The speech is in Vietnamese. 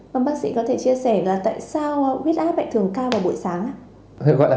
bác sĩ có thể chia sẻ là tại sao huyết áp bệnh thường cao vào buổi sáng